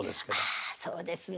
あそうですね